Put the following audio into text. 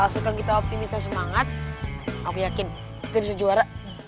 suka kita optimis dan semangat aku yakin kita bisa juara